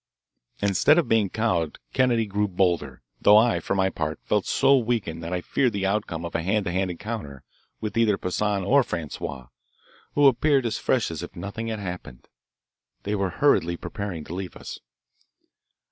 Instead of being cowed Kennedy grew bolder, though I, for my part, felt so weakened that I feared the outcome of a hand to hand encounter with either Poissan or Francois, who appeared as fresh as if nothing had happened. They were hurriedly preparing to leave us.